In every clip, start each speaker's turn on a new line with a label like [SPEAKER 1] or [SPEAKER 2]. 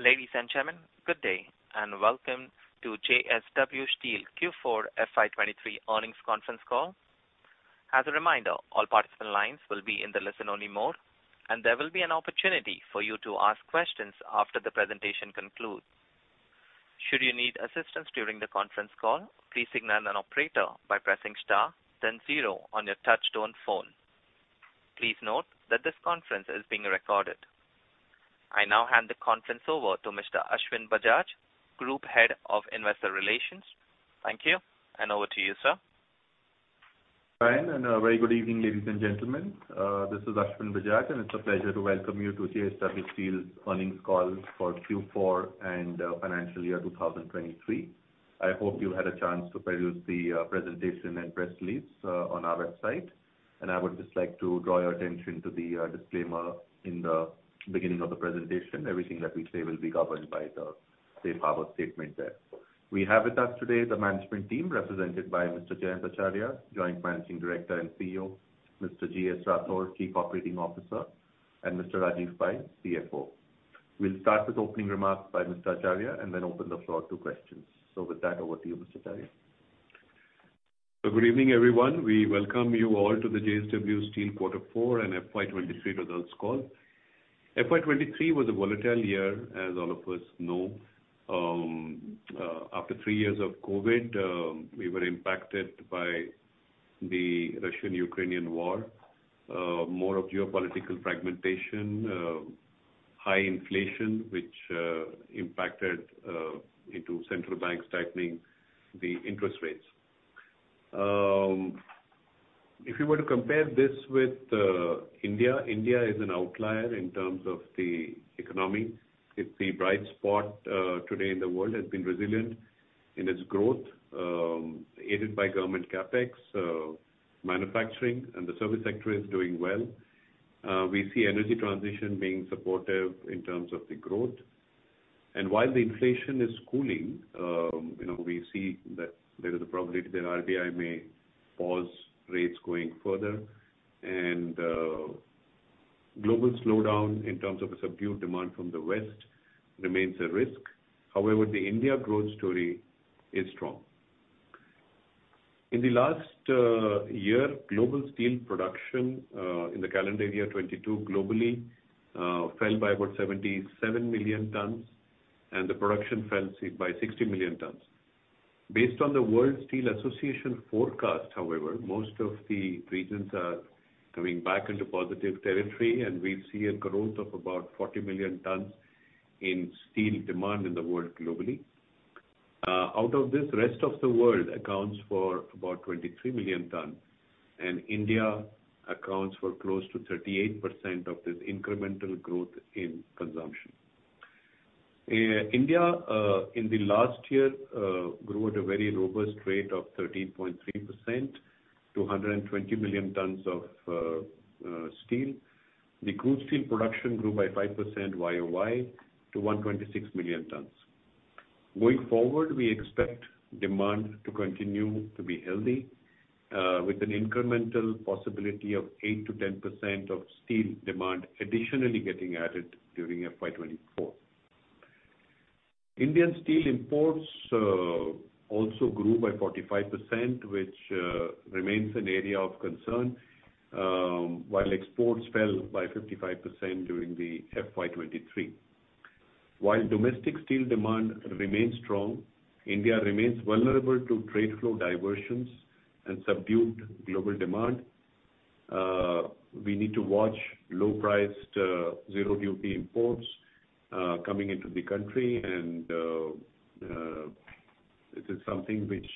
[SPEAKER 1] Ladies and gentlemen, good day, and welcome to JSW Steel Q4 FY 2023 earnings conference call. As a reminder, all participant lines will be in the listen-only mode, and there will be an opportunity for you to ask questions after the presentation concludes. Should you need assistance during the conference call, please signal an operator by pressing star then zero on your touchtone phone. Please note that this conference is being recorded. I now hand the conference over to Mr. Ashwin Bajaj, Group Head of Investor Relations. Thank you, and over to you, sir.
[SPEAKER 2] Fine, a very good evening, ladies and gentlemen. This is Ashwin Bajaj, and it's a pleasure to welcome you to JSW Steel's earnings call for Q4 and financial year 2023. I hope you had a chance to peruse the presentation and press release on our website. I would just like to draw your attention to the disclaimer in the beginning of the presentation. Everything that we say will be governed by the safe harbor statement there. We have with us today the management team represented by Mr. Jayant Acharya, Joint Managing Director and CEO, Mr. GS Rathore, Chief Operating Officer, and Mr. Rajeev Pai, CFO. We'll start with opening remarks by Mr. Acharya and then open the floor to questions. With that, over to you, Mr. Acharya.
[SPEAKER 3] Good evening, everyone. We welcome you all to the JSW Steel quarter four and FY 2023 results call. FY 2023 was a volatile year, as all of us know. After three years of COVID, we were impacted by the Russian-Ukrainian War, more of geopolitical fragmentation, high inflation, which impacted into central bank tightening the interest rates. If you were to compare this with India is an outlier in terms of the economy. It's the bright spot today in the world. Has been resilient in its growth, aided by government CapEx. Manufacturing and the service sector is doing well. We see energy transition being supportive in terms of the growth. While the inflation is cooling, you know, we see that there is a probability that RBI may pause rates going further. Global slowdown in terms of a subdued demand from the West remains a risk. However, the India growth story is strong. In the last year, global steel production in the calendar year 22 globally fell by about 77 million tons, and the production fell by 60 million tons. Based on the World Steel Association forecast, however, most of the regions are coming back into positive territory, and we see a growth of about 40 million tons in steel demand in the world globally. Out of this, rest of the world accounts for about 23 million tons, and India accounts for close to 38% of this incremental growth in consumption. India in the last year grew at a very robust rate of 13.3% to 120 million tons of steel. The crude steel production grew by 5% YoY to 126 million tons. Going forward, we expect demand to continue to be healthy, with an incremental possibility of 8%-10% of steel demand additionally getting added during FY 2024. Indian steel imports also grew by 45%, which remains an area of concern, while exports fell by 55% during the FY 2023. While domestic steel demand remains strong, India remains vulnerable to trade flow diversions and subdued global demand. We need to watch low-priced, zero duty imports coming into the country and it is something which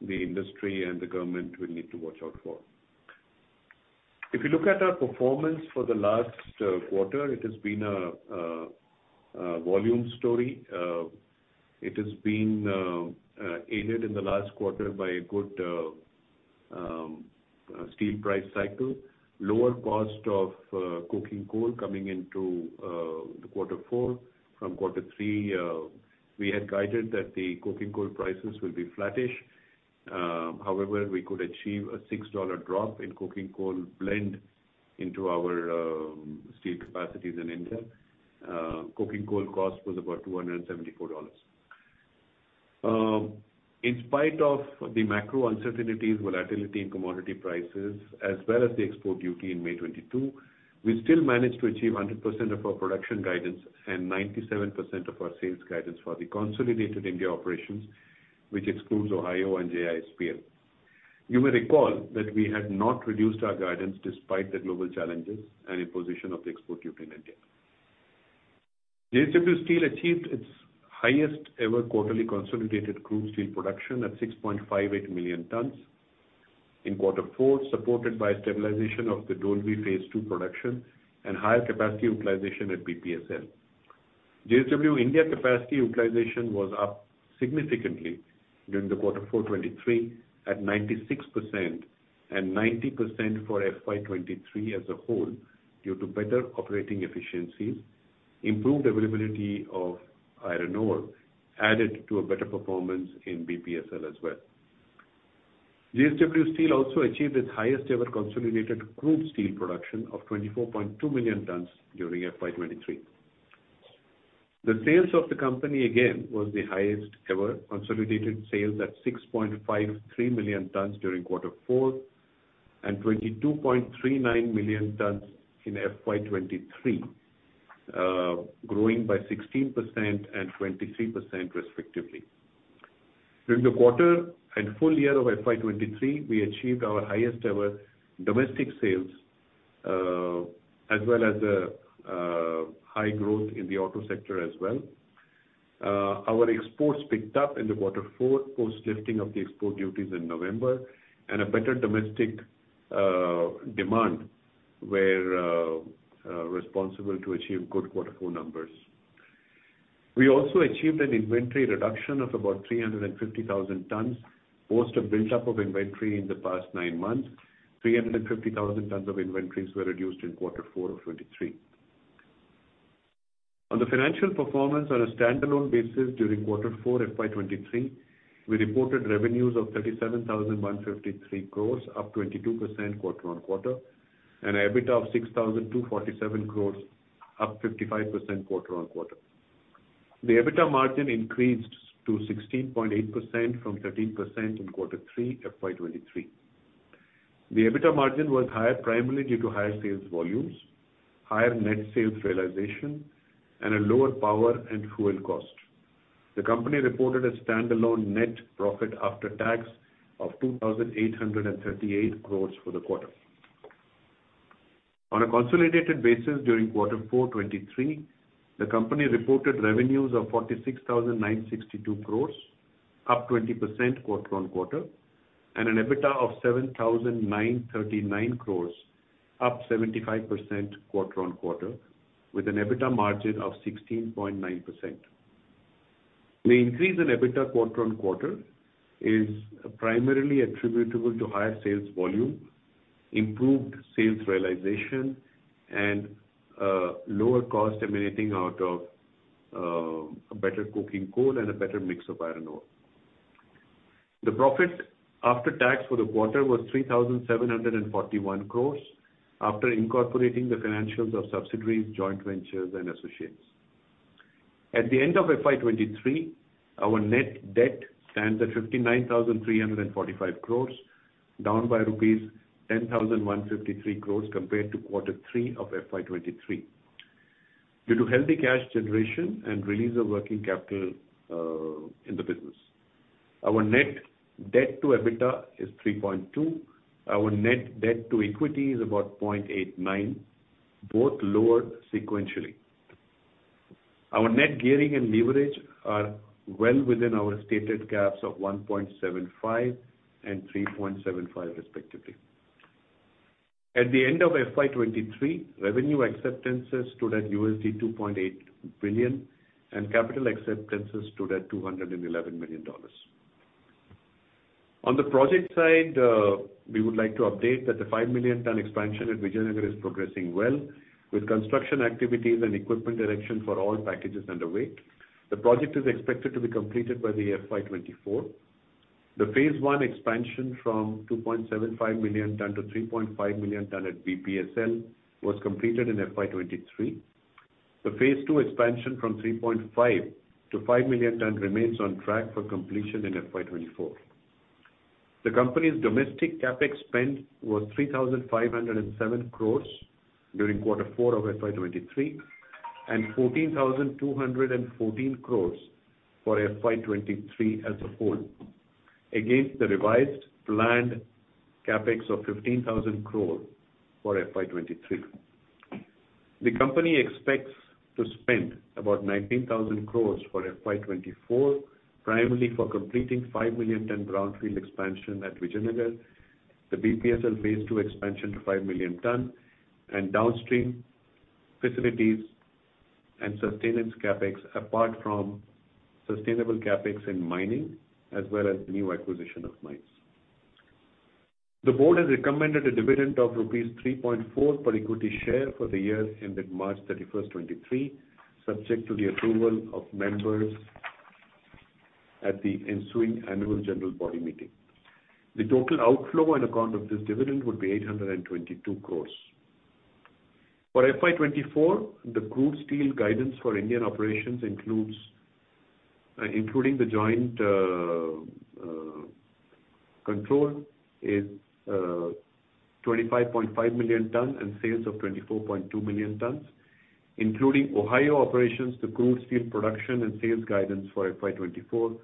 [SPEAKER 3] the industry and the government will need to watch out for. If you look at our performance for the last quarter, it has been a volume story. It has been aided in the last quarter by a good steel price cycle. Lower cost of coking coal coming into the quarter four. From quarter three, we had guided that the coking coal prices will be flattish. However, we could achieve a $6 drop in coking coal blend into our steel capacities in India. Coking coal cost was about $274. In spite of the macro uncertainties, volatility in commodity prices, as well as the export duty in May 2022, we still managed to achieve 100% of our production guidance and 97% of our sales guidance for the consolidated India operations, which excludes Ohio and JISPL. You may recall that we had not reduced our guidance despite the global challenges and imposition of the export duty in India. JSW Steel achieved its highest ever quarterly consolidated crude steel production at 6.58 million tons in Q4, supported by stabilization of the Dolvi Phase 2 production and higher capacity utilization at BPSL. JSW India capacity utilization was up significantly during Q4 2023 at 96% and 90% for FY 2023 as a whole due to better operating efficiencies. Improved availability of iron ore added to a better performance in BPSL as well. JSW Steel also achieved its highest ever consolidated crude steel production of 24.2 million tons during FY 2023. The sales of the company again was the highest ever consolidated sales at 6.53 million tons during Q4 and 22.39 million tons in FY 2023, growing by 16% and 23% respectively. During the quarter and full year of FY 2023, we achieved our highest ever domestic sales, as well as a high growth in the auto sector as well. Our exports picked up in Q4 post lifting of the export duties in November and a better domestic demand were responsible to achieve good Q4 numbers. We also achieved an inventory reduction of about 350,000 tons. Post a buildup of inventory in the past nine months, 350,000 tons of inventories were reduced in Q4 of 2023. On the financial performance on a standalone basis during Q4 FY 2023, we reported revenues of 37,153 crores, up 22% quarter-on-quarter, and EBITDA of 6,247 crores, up 55% quarter-on-quarter. The EBITDA margin increased to 16.8% from 13% in quarter three FY 2023. The EBITDA margin was higher primarily due to higher sales volumes, higher net sales realization, and a lower power and fuel cost. The company reported a standalone net profit after tax of 2,838 crores for the quarter. On a consolidated basis during quarter four 2023, the company reported revenues of 46,962 crores, up 20% quarter-on-quarter, and an EBITDA of 7,939 crores, up 75% quarter-on-quarter, with an EBITDA margin of 16.9%. The increase in EBITDA quarter-on-quarter is primarily attributable to higher sales volume, improved sales realization and lower cost emanating out of a better coking coal and a better mix of iron ore. The profit after tax for the quarter was 3,741 crores after incorporating the financials of subsidiaries, joint ventures and associates. At the end of FY 2023, our net debt stands at 59,345 crores, down by rupees 10,153 crores compared to Q3 of FY 2023 due to healthy cash generation and release of working capital in the business. Our net debt to EBITDA is 3.2. Our net debt to equity is about 0.89, both lower sequentially. Our net gearing and leverage are well within our stated gaps of 1.75 and 3.75 respectively. At the end of FY 2023, revenue acceptances stood at $2.8 billion, and capital acceptances stood at $211 million. On the project side, we would like to update that the 5 million tons expansion at Vijayanagar is progressing well with construction activities and equipment erection for all packages underway. The project is expected to be completed by the FY 2024. The phase one expansion from 2.75 million tonne to 3.5 million tonne at BPSL was completed in FY 2023. The phase two expansion from 3.5-5 million tonne remains on track for completion in FY 2024. The company's domestic CapEx spend was 3,507 crores during Q4 of FY 2023 and 14,214 crores for FY 2023 as a whole against the revised planned CapEx of 15,000 crore for FY 2023. The company expects to spend about 19,000 crores for FY 2024, primarily for completing 5 million ton brownfield expansion at Vijayanagar. The BPSL Phase 2 expansion to 5 million ton and downstream facilities and sustenance CapEx apart from sustainable CapEx in mining as well as new acquisition of mines. The board has recommended a dividend of rupees 3.4 per equity share for the year ended March 31, 2023, subject to the approval of members at the ensuing annual general body meeting. The total outflow on account of this dividend would be 822 crores. For FY 2024, the crude steel guidance for Indian operations includes, including the joint control is 25.5 million ton and sales of 24.2 million tons. Including Ohio operations the crude steel production and sales guidance for FY 2024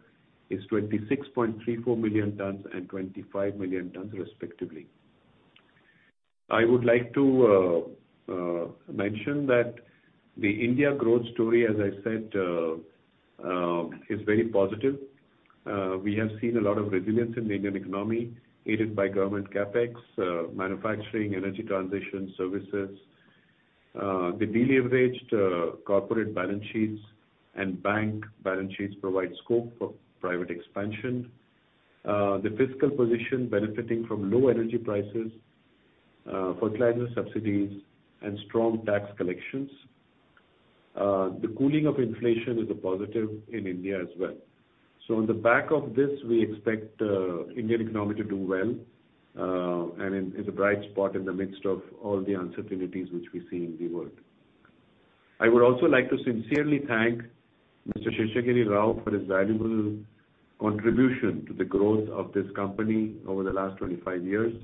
[SPEAKER 3] is 26.34 million tons and 25 million tons, respectively. I would like to mention that the India growth story, as I said, is very positive. We have seen a lot of resilience in the Indian economy, aided by Government CapEx, manufacturing, energy transition services. The deleveraged corporate balance sheets and bank balance sheets provide scope for private expansion. The fiscal position benefiting from low energy prices, fertilizer subsidies and strong tax collections. The cooling of inflation is a positive in India as well. On the back of this, we expect Indian economy to do well, and it's a bright spot in the midst of all the uncertainties which we see in the world. I would also like to sincerely thank Mr. Seshagiri Rao for his valuable contribution to the growth of this company over the last 25 years.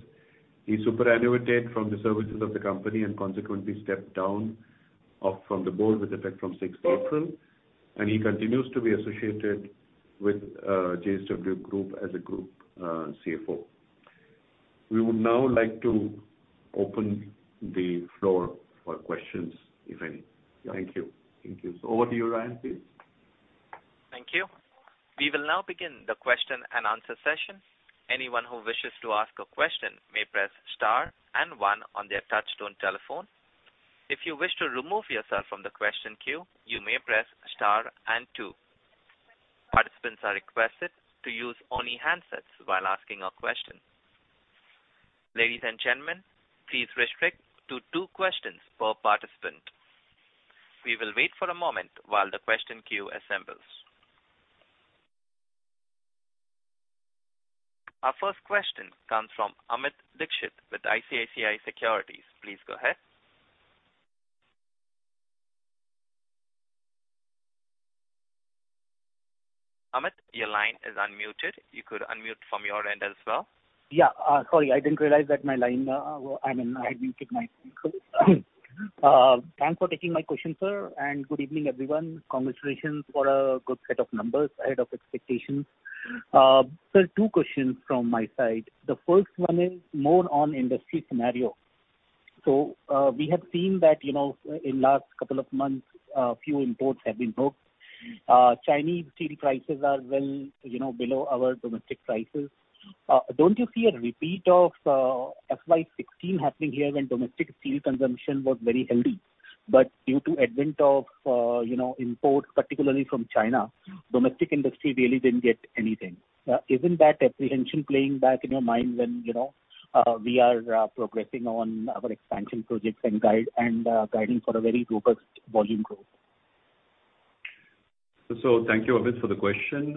[SPEAKER 3] He superannuated from the services of the company and consequently stepped down off from the board with effect from sixth April, and he continues to be associated with JSW Group as a group CFO. We would now like to open the floor for questions, if any. Thank you.
[SPEAKER 1] Thank you.
[SPEAKER 3] Over to you, Ryan, please.
[SPEAKER 1] Thank you. We will now begin the question and answer session. Anyone who wishes to ask a question may press star and one on their touchtone telephone. If you wish to remove yourself from the question queue, you may press star and two. Participants are requested to use only handsets while asking a question. Ladies and gentlemen, please restrict to two questions per participant. We will wait for a moment while the question queue assembles. Our first question comes from Amit Dixit with ICICI Securities. Please go ahead. Amit, your line is unmuted. You could unmute from your end as well.
[SPEAKER 4] Yeah. Sorry, I didn't realize that my line, I mean, I unmuted my microphone. Thanks for taking my question, sir, and good evening, everyone. Congratulations for a good set of numbers ahead of expectations. Sir, two questions from my side. The first one is more on industry scenario. We have seen that, you know, in last couple of months, a few imports have been booked. Chinese steel prices are well, you know, below our domestic prices. Don't you see a repeat of FY 2016 happening here when domestic steel consumption was very healthy, but due to advent of, you know, imports, particularly from China, domestic industry really didn't get anything. Isn't that apprehension playing back in your mind when, you know, we are progressing on our expansion projects and guide, and guiding for a very robust volume growth?
[SPEAKER 3] Thank you, Amit, for the question.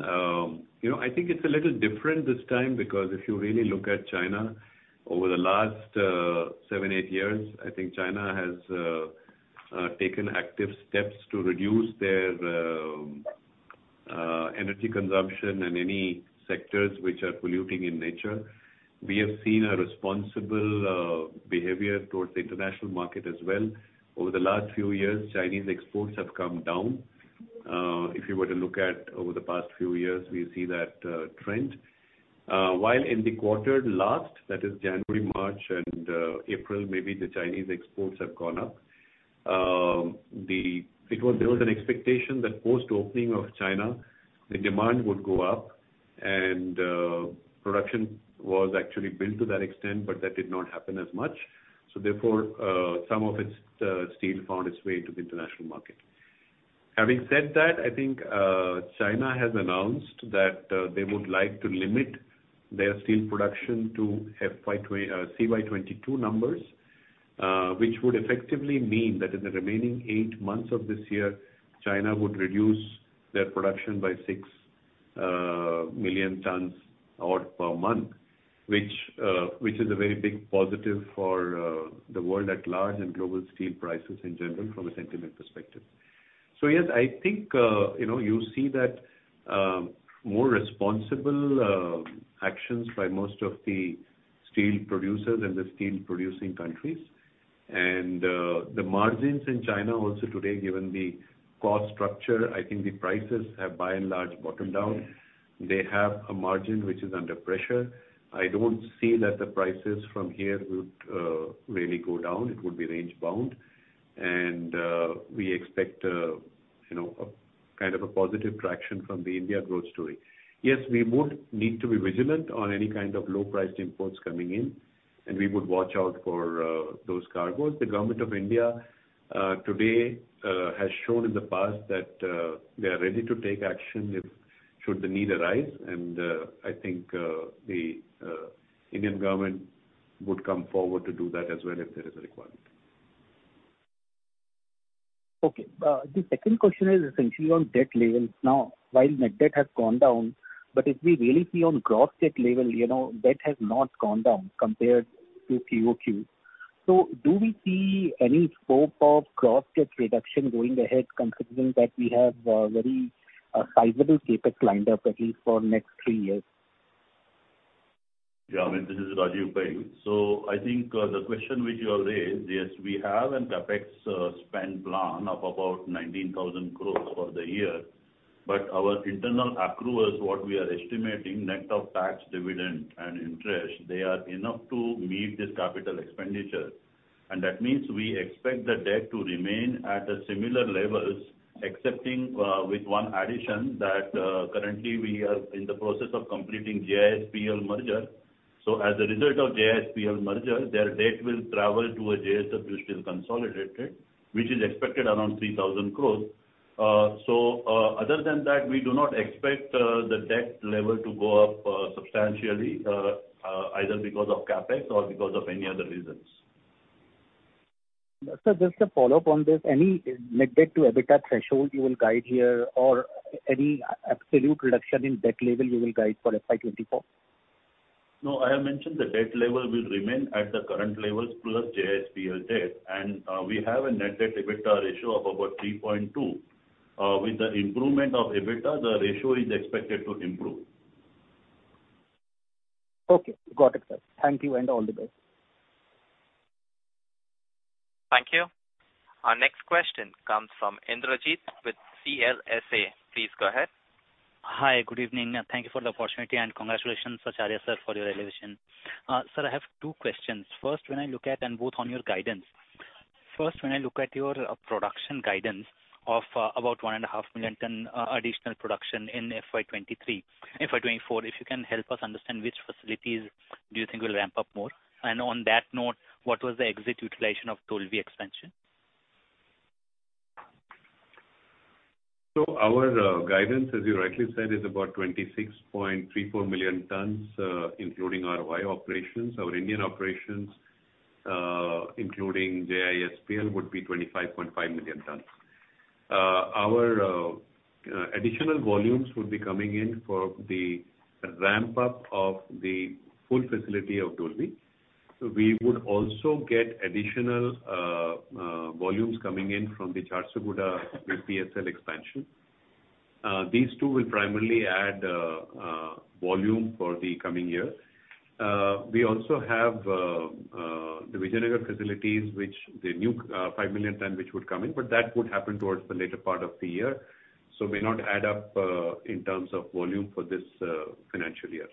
[SPEAKER 3] You know, I think it's a little different this time because if you really look at China over the last seven, eight years, I think China has taken active steps to reduce their energy consumption in any sectors which are polluting in nature. We have seen a responsible behavior towards the international market as well. Over the last few years, Chinese exports have come down. If you were to look at over the past few years, we see that trend. While in the quarter last, that is January, March and April, maybe the Chinese exports have gone up. Because there was an expectation that post-opening of China, the demand would go up and production was actually built to that extent, but that did not happen as much. Some of its steel found its way to the international market. Having said that, I think China has announced that they would like to limit their steel production to CY 2022 numbers, which would effectively mean that in the remaining 8 months of this year, China would reduce their production by 6 million tons or per month, which is a very big positive for the world at large and global steel prices in general from a sentiment perspective. The margins in China also today, given the cost structure, I think the prices have by and large bottomed down. They have a margin which is under pressure. I don't see that the prices from here would really go down. It would be range bound. We expect, you know, kind of a positive traction from the India growth story. Yes, we would need to be vigilant on any kind of low-priced imports coming in, and we would watch out for those cargoes. The Government of India today has shown in the past that they are ready to take action if should the need arise, and I think the Indian Government would come forward to do that as well if there is a requirement.
[SPEAKER 4] Okay. The second question is essentially on debt levels. While net debt has gone down, but if we really see on gross debt level, you know, debt has not gone down compared to QoQ. Do we see any scope of gross debt reduction going ahead, considering that we have very sizable CapEx lined up at least for next three years?
[SPEAKER 3] I mean, this is Rajeev Pai. I think, the question which you have raised, yes, we have an CapEx, spend plan of about 19,000 crores for the year. Our internal accruals, what we are estimating, net of tax, dividend and interest, they are enough to meet this capital expenditure. That means we expect the debt to remain at a similar levels, excepting, with one addition that, currently we are in the process of completing JISPL merger. As a result of JISPL merger, their debt will travel to a JSW Steel consolidated, which is expected around 3,000 crores. Other than that, we do not expect, the debt level to go up, substantially, either because of CapEx or because of any other reasons.
[SPEAKER 4] Sir, just a follow-up on this. Any net debt to EBITDA threshold you will guide here or any absolute reduction in debt level you will guide for FY 2024?
[SPEAKER 3] No, I have mentioned the debt level will remain at the current levels plus JISPL debt, and we have a net debt EBITDA ratio of about 3.2. With the improvement of EBITDA, the ratio is expected to improve.
[SPEAKER 4] Okay. Got it, sir. Thank you and all the best.
[SPEAKER 1] Thank you. Our next question comes from Indrajit with CLSA. Please go ahead.
[SPEAKER 5] Hi. Good evening, and thank you for the opportunity, and congratulations, Acharya, sir, for your elevation. Sir, I have two questions. First, when I look at your production guidance of about 1.5 million tons additional production in FY 2023... FY 2024, if you can help us understand which facilities do you think will ramp up more? On that note, what was the exit utilization of Dolvi expansion?
[SPEAKER 3] Our guidance, as you rightly said, is about 26.34 million tons, including ROI operations. Our Indian operations, including JISPL, would be 25.5 million tons. Our additional volumes would be coming in for the ramp up of the full facility of Dolvi. We would also get additional volumes coming in from the Jharsuguda BPSL expansion. These two will primarily add volume for the coming year. We also have the Vijayanagar facilities, which the new 5 million ton which would come in, but that would happen towards the later part of the year. May not add up in terms of volume for this financial year.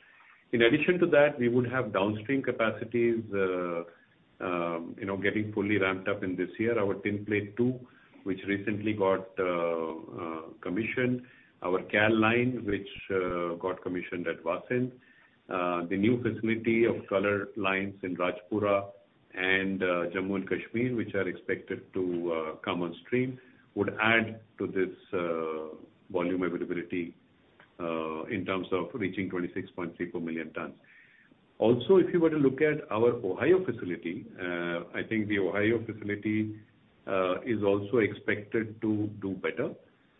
[SPEAKER 3] In addition to that, we would have downstream capacities, you know, getting fully ramped up in this year. Our Tinplate Two, which recently got commissioned. Our CAL line, which got commissioned at Vasind. The new facility of color lines in Rajpura and Jammu and Kashmir, which are expected to come on stream, would add to this volume availability in terms of reaching 26.34 million tons. If you were to look at our Ohio facility, I think the Ohio facility is also expected to do better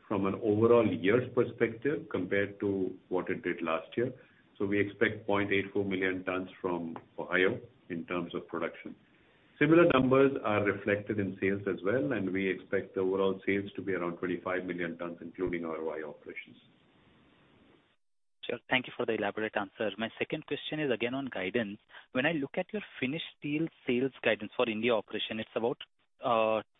[SPEAKER 3] from an overall years perspective compared to what it did last year. We expect 0.84 million tons from Ohio in terms of production. Similar numbers are reflected in sales as well, and we expect the overall sales to be around 25 million tons, including RoI operations.
[SPEAKER 5] Sure. Thank you for the elaborate answer. My second question is again on guidance. When I look at your finished steel sales guidance for India operation, it's about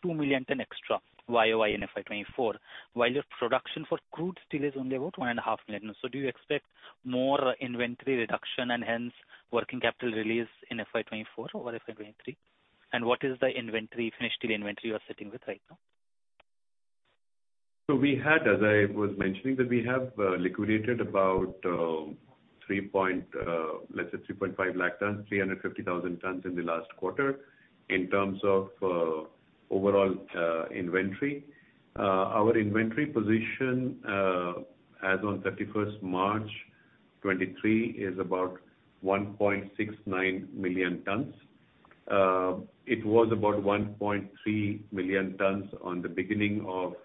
[SPEAKER 5] 2 million tons extra YoY in FY 2024, while your production for crude steel is only about 1.5 million. Do you expect more inventory reduction and hence working capital release in FY 2024 over FY 2023? What is the inventory, finished steel inventory you are sitting with right now?
[SPEAKER 3] We had, as I was mentioning, that we have liquidated about, let's say 3.5 lakh tons, 350,000 tons in the last quarter in terms of overall inventory. Our inventory position as on March 31st, 2023 is about 1.69 million tons. It was about 1.3 million tons on the beginning of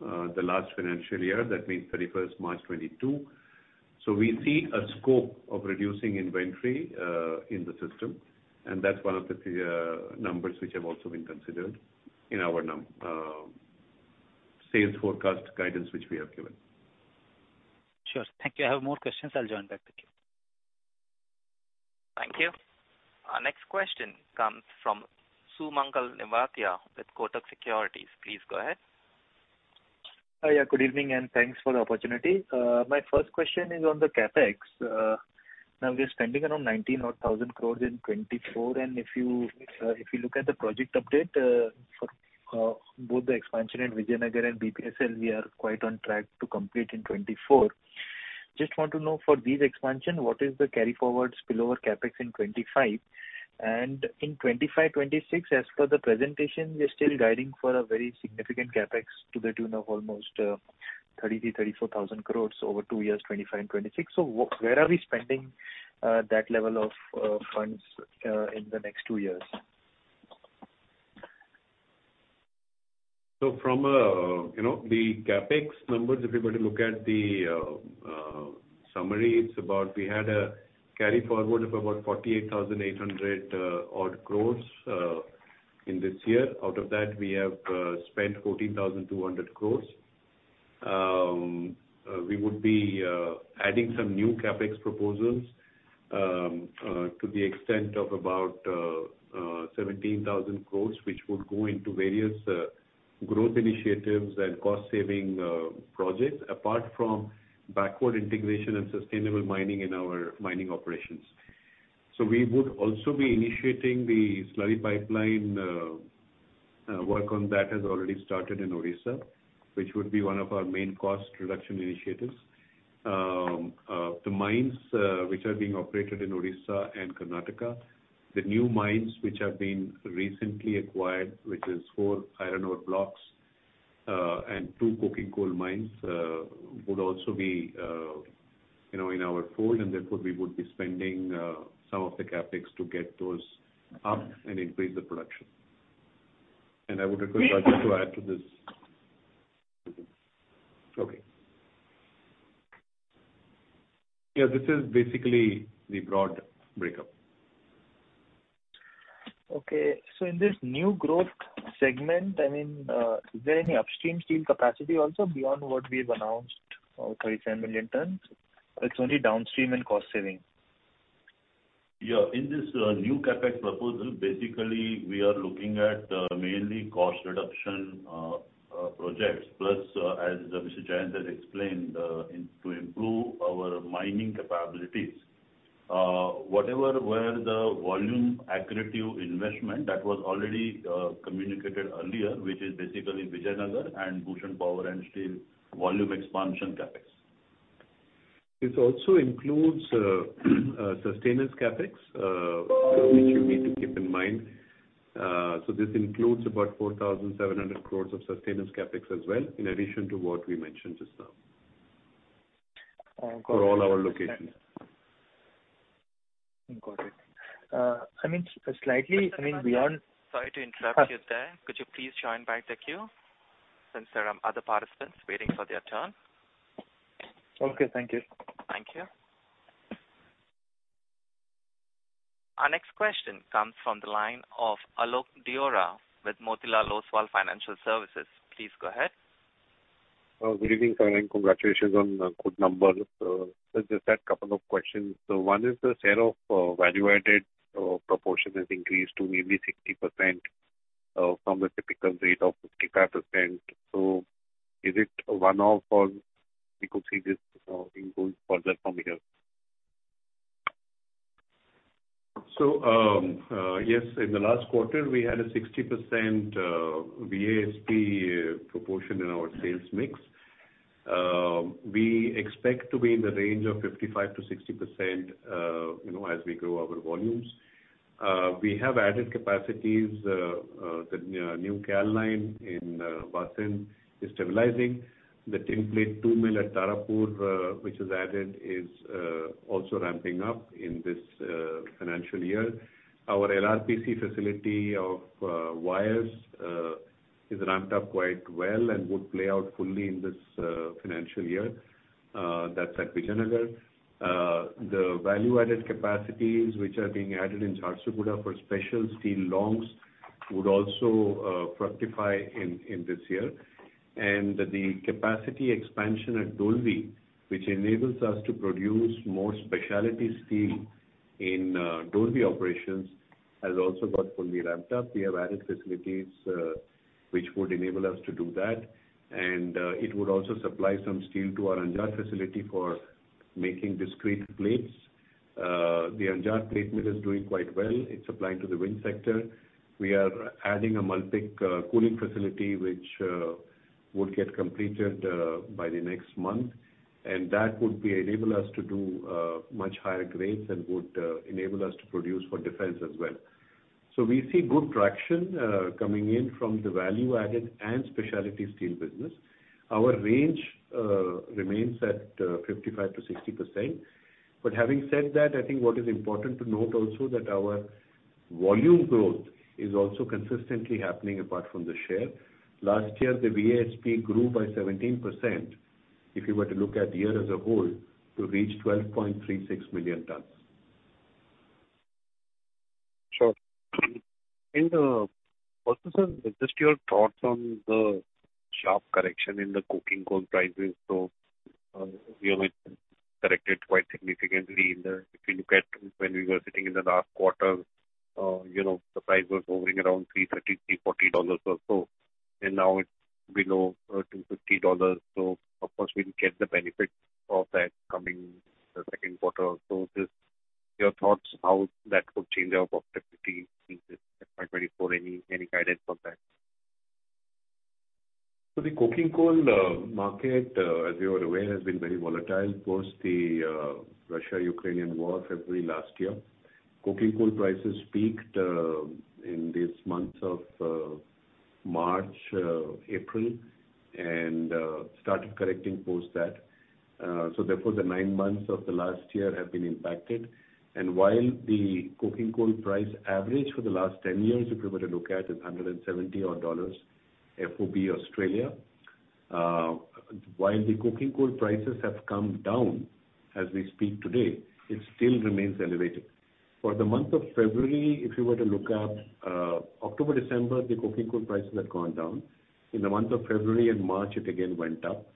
[SPEAKER 3] the last financial year. That means March 31st, 2022. We see a scope of reducing inventory in the system, and that's one of the numbers which have also been considered in our sales forecast guidance, which we have given.
[SPEAKER 5] Sure. Thank you. I have more questions. I'll join back with you.
[SPEAKER 1] Thank you. Our next question comes from Sumangal Nevatia with Kotak Securities. Please go ahead.
[SPEAKER 6] Hi. Good evening, thanks for the opportunity. My first question is on the CapEx. Now we're spending around 19,000 crores in 2024, if you look at the project update for both the expansion in Vijayanagar and BPSL, we are quite on track to complete in 2024. Just want to know for these expansion, what is the carry forward spillover CapEx in 2025? In 2025, 2026, as per the presentation, we're still guiding for a very significant CapEx to the tune of almost 30,000-34,000 crores over two years, 2025 and 2026. Where are we spending that level of funds in the next two years?
[SPEAKER 3] From, you know, the CapEx numbers, if you were to look at the summary, it's about we had a carry forward of about 48,800 odd crores in this year. Out of that, we have spent 14,200 crores. We would be adding some new CapEx proposals to the extent of about 17,000 crores, which would go into various growth initiatives and cost saving projects, apart from backward integration and sustainable mining in our mining operations. We would also be initiating the slurry pipeline. Work on that has already started in Odisha, which would be one of our main cost reduction initiatives. The mines which are being operated in Odisha and Karnataka. The new mines which have been recently acquired, which is 4 iron ore blocks, and 2 coking coal mines, would also be, you know, in our fold, and therefore we would be spending some of the CapEx to get those up and increase the production. I would request Rajeev to add to this. Okay. Yeah, this is basically the broad breakup.
[SPEAKER 6] Okay. In this new growth segment, I mean, is there any upstream steel capacity also beyond what we've announced of 37 million tons? It's only downstream and cost saving.
[SPEAKER 7] Yeah. In this new CapEx proposal, basically we are looking at mainly cost reduction projects, plus as Mr. Jayant has explained, to improve our mining capabilities. Whatever were the volume accretive investment that was already communicated earlier, which is basically Vijayanagar and Bhushan Power & Steel volume expansion CapEx. This also includes a sustenance CapEx, which you need to keep in mind. This includes about 4,700 crores of sustenance CapEx as well, in addition to what we mentioned just now.
[SPEAKER 6] Oh, got it.
[SPEAKER 3] For all our locations.
[SPEAKER 6] Got it. I mean, slightly, I mean,
[SPEAKER 1] Sorry to interrupt you there. Could you please join back the queue since there are other participants waiting for their turn?
[SPEAKER 6] Okay, thank you.
[SPEAKER 1] Thank you. Our next question comes from the line of Alok Deora with Motilal Oswal Financial Services. Please go ahead.
[SPEAKER 8] Good evening, sir, and congratulations on the good numbers. Just a couple of questions. One is the share of value added proportion has increased to nearly 60%, from the typical rate of 55%. Is it a one-off or we could see this going further from here?
[SPEAKER 3] Yes, in the last quarter we had a 60% VASP proportion in our sales mix. We expect to be in the range of 55%-60%, you know, as we grow our volumes. We have added capacities. The new CAL line in Vasind is stabilizing. The Tinplate Two mill at Tarapur, which is added, is also ramping up in this financial year. Our LRPC facility of wires is ramped up quite well and would play out fully in this financial year. That's at Vijayanagar. The value-added capacities which are being added in Jharsuguda for special steel longs would also fructify in this year. The capacity expansion at Dolvi, which enables us to produce more specialty steel in Dolvi operations, has also got fully ramped up. We have added facilities which would enable us to do that, and it would also supply some steel to our Angul facility for making discrete plates. The Angul plate mill is doing quite well. It's supplying to the wind sector. We are adding a multi-cooling facility which would get completed by the next month, and that would be enable us to do much higher grades and would enable us to produce for defense as well. We see good traction coming in from the value-added and specialty steel business. Our range remains at 55%-60%. Having said that, I think what is important to note also that our volume growth is also consistently happening apart from the share. Last year, the VASP grew by 17%, if you were to look at the year as a whole, to reach 12.36 million tons.
[SPEAKER 8] Sure. Also, sir, just your thoughts on the sharp correction in the coking coal prices. We have corrected quite significantly if you look at when we were sitting in the last quarter, you know, the price was hovering around $330-$340 or so, and now it's below $250. Of course we'll get the benefit of that coming the second quarter. Just your thoughts how that would change our profitability in FY 2024. Any guidance on that?
[SPEAKER 3] The coking coal market, as you are aware, has been very volatile post the Russia-Ukrainian war February last year. Coking coal prices peaked in this month of March, April and started correcting post that. Therefore the nine months of the last year have been impacted. While the coking coal price average for the last 10 years, if you were to look at, is $170 odd FOB Australia. While the coking coal prices have come down as we speak today, it still remains elevated. For the month of February, if you were to look at, October, December, the coking coal prices had gone down. In the month of February and March, it again went up.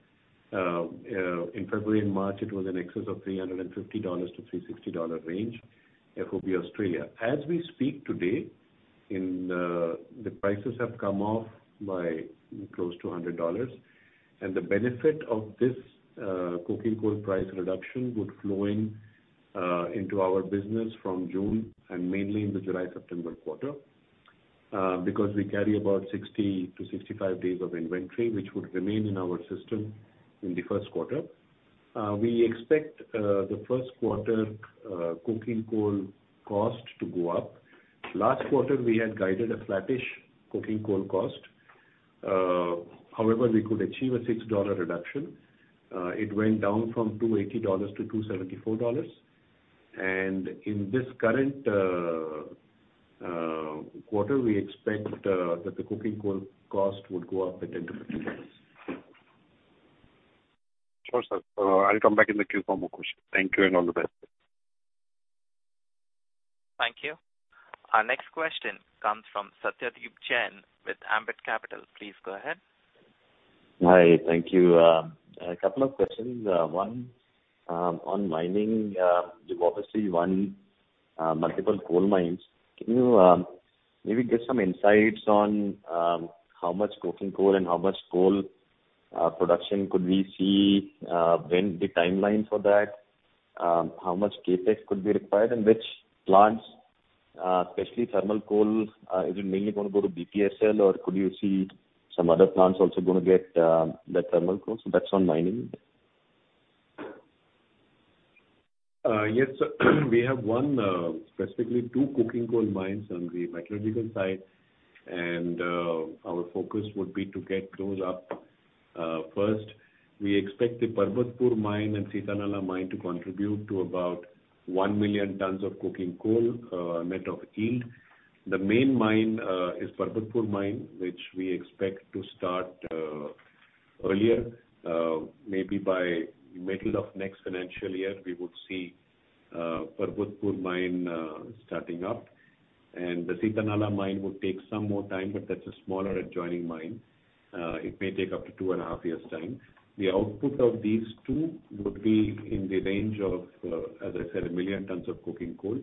[SPEAKER 3] In February and March, it was in excess of $350-$360 range, FOB Australia. As we speak today, the prices have come off by close to $100, and the benefit of this coking coal price reduction would flow into our business from June and mainly in the July-September quarter. Because we carry about 60-65 days of inventory, which would remain in our system in the first quarter. We expect the first quarter coking coal cost to go up. Last quarter, we had guided a flattish coking coal cost. However, we could achieve a $6 reduction. It went down from $280 to $274. In this current quarter, we expect that the coking coal cost would go up by $10-$15.
[SPEAKER 8] Sure, sir. I'll come back in the queue for more questions. Thank you and all the best.
[SPEAKER 1] Thank you. Our next question comes from Satyadeep Jain with Ambit Capital. Please go ahead.
[SPEAKER 9] Hi. Thank you. A couple of questions. One on mining. You've obviously won multiple coal mines. Can you maybe give some insights on how much coking coal and how much coal production could we see? When the timeline for that? How much CapEx could be required? Which plants, especially thermal coal, is it mainly gonna go to BPSL or could you see some other plants also gonna get that thermal coal? So that's on mining.
[SPEAKER 3] Yes. We have won specifically two coking coal mines on the metallurgical side, and our focus would be to get those up. First, we expect the Parbatpur Mine and Sitanala Mine to contribute to about 1 million tons of coking coal, net of yield. The main mine is Parbatpur Mine, which we expect to start earlier. Maybe by middle of next financial year, we would see Parbatpur Mine starting up. The Sitanala Mine would take some more time, but that's a smaller adjoining mine. It may take up to 2.5 years' time. The output of these two would be in the range of, as I said, 1 million tons of coking coal.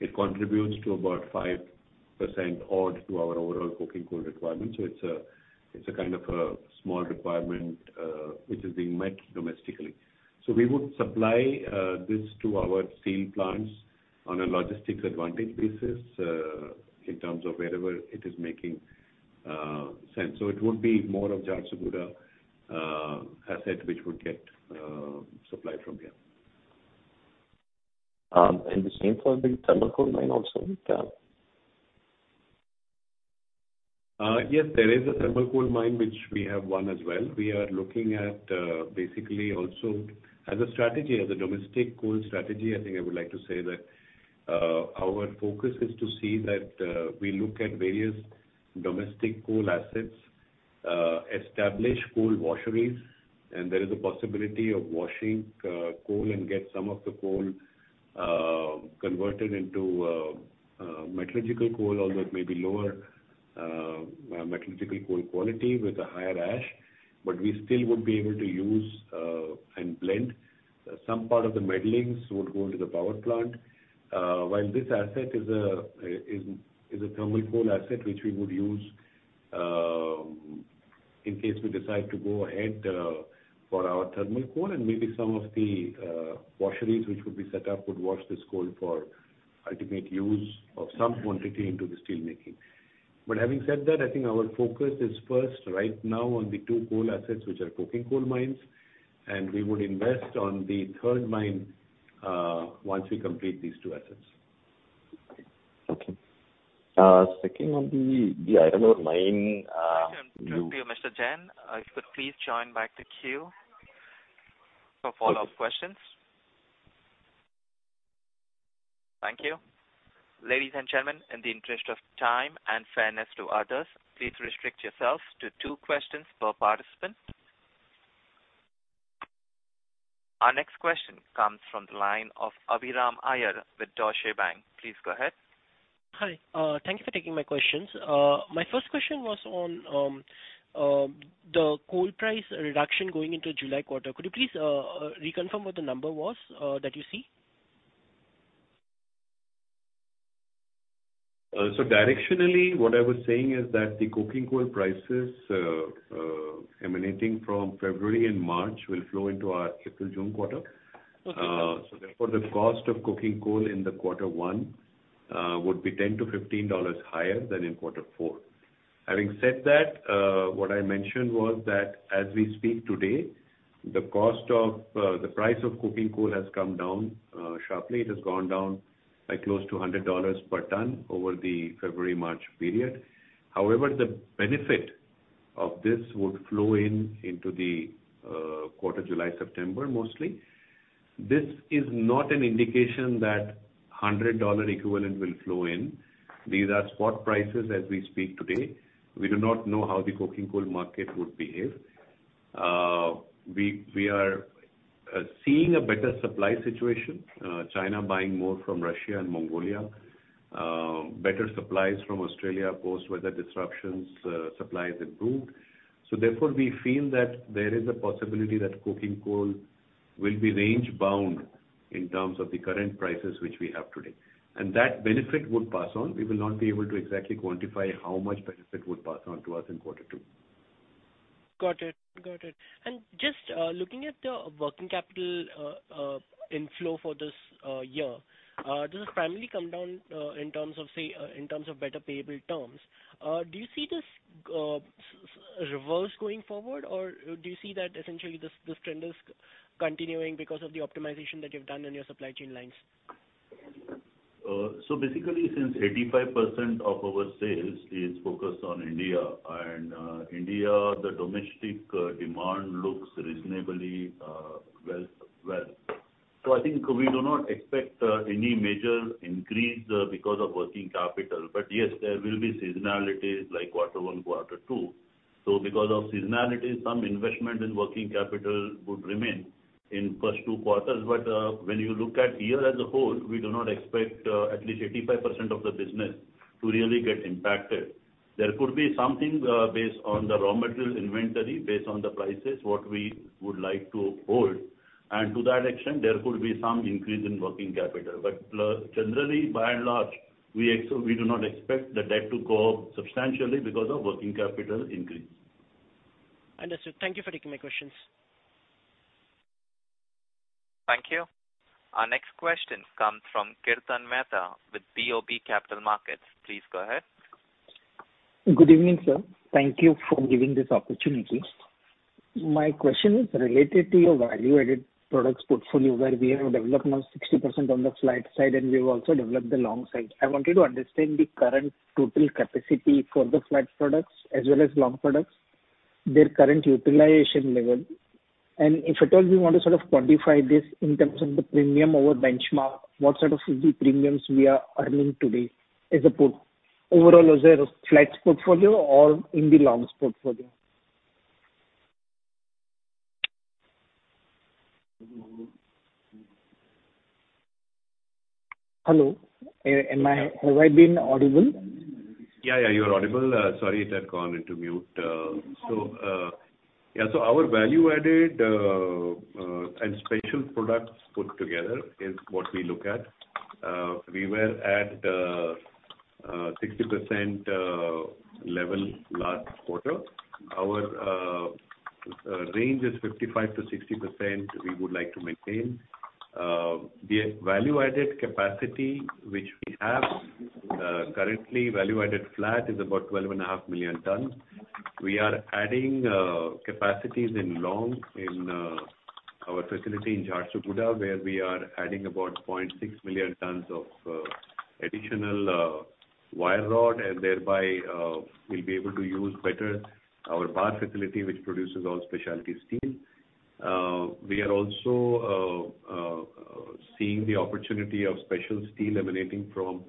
[SPEAKER 3] It contributes to about 5% odd to our overall coking coal requirements. It's a kind of a small requirement, which is being met domestically. We would supply this to our steel plants on a logistics advantage basis, in terms of wherever it is making sense. It would be more of Jharsuguda asset which would get supply from here.
[SPEAKER 9] The same for the thermal coal mine also? Yeah.
[SPEAKER 3] Yes, there is a thermal coal mine which we have won as well. We are looking at basically also as a strategy, as a domestic coal strategy, I think I would like to say that our focus is to see that we look at various domestic coal assets, establish coal washeries, and there is a possibility of washing coal and get some of the coal converted into metallurgical coal, although it may be lower metallurgical coal quality with a higher ash. We still would be able to use and blend. Some part of the middlings would go into the power plant. While this asset is a thermal coal asset which we would use, in case we decide to go ahead for our thermal coal and maybe some of the washeries which would be set up would wash this coal for ultimate use of some quantity into the steel making. Having said that, I think our focus is first right now on the 2 coal assets, which are coking coal mines, and we would invest on the third mine once we complete these 2 assets.
[SPEAKER 9] Okay. second on the Iron Ore mine.
[SPEAKER 1] Thank you. Mr. Jain, could you please join back the queue for follow-up questions? Thank you. Ladies and gentlemen, in the interest of time and fairness to others, please restrict yourselves to two questions per participant. Our next question comes from the line of Abhiram Iyer with Deutsche Bank. Please go ahead.
[SPEAKER 10] Hi. Thank you for taking my questions. My first question was on the coal price reduction going into July quarter. Could you please reconfirm what the number was that you see?
[SPEAKER 3] Directionally, what I was saying is that the coking coal prices emanating from February and March will flow into our April-June quarter.
[SPEAKER 10] Okay.
[SPEAKER 3] Therefore, the cost of coking coal in the quarter one would be $10-$15 higher than in quarter four. Having said that, what I mentioned was that as we speak today, the cost of the price of coking coal has come down sharply. It has gone down by close to $100 per ton over the February-March period. However, the benefit of this would flow in into the quarter July-September mostly. This is not an indication that $100 equivalent will flow in. These are spot prices as we speak today. We do not know how the coking coal market would behave. We, we are seeing a better supply situation, China buying more from Russia and Mongolia. Better supplies from Australia. Post-weather disruptions, supply has improved. Therefore, we feel that there is a possibility that coking coal will be range bound in terms of the current prices which we have today. That benefit would pass on. We will not be able to exactly quantify how much benefit would pass on to us in quarter two.
[SPEAKER 10] Got it. Just looking at the working capital inflow for this year, this has primarily come down in terms of better payable terms. Do you see this reverse going forward or do you see that essentially this trend is continuing because of the optimization that you've done on your supply chain lines?
[SPEAKER 3] Basically since 85% of our sales is focused on India and India, the domestic demand looks reasonably well. I think we do not expect any major increase because of working capital. Yes, there will be seasonalities like Q1, Q2. Because of seasonality, some investment in working capital would remain in first two quarters. When you look at year as a whole, we do not expect at least 85% of the business to really get impacted. There could be something based on the raw material inventory, based on the prices, what we would like to hold, and to that extent, there could be some increase in working capital. Generally, by and large, we do not expect the debt to go up substantially because of working capital increase.
[SPEAKER 10] Understood. Thank you for taking my questions.
[SPEAKER 1] Thank you. Our next question comes from Kirtan Mehta with BOB Capital Markets. Please go ahead.
[SPEAKER 11] Good evening, sir. Thank you for giving this opportunity. My question is related to your value-added products portfolio, where we have developed now 60% on the flat side and we've also developed the long side. I wanted to understand the current total capacity for the flat products as well as long products, their current utilization level, and if at all you want to sort of quantify this in terms of the premium over benchmark. What sort of the premiums we are earning today as overall as a flat portfolio or in the longs portfolio? Hello, Am I audible?
[SPEAKER 3] Yeah, you're audible. Sorry, it had gone into mute. Yeah, our value-added and special products put together is what we look at. We were at a 60% level last quarter. Our range is 55%-60% we would like to maintain. The value-added capacity which we have currently value-added flat is about 12.5 million tons. We are adding capacities in long our facility in Jharsuguda, where we are adding about 0.6 million tons of additional wire rod and thereby, we'll be able to use better our bar facility which produces all specialty steel. We are also seeing the opportunity of special steel emanating from